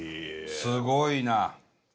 すごいな。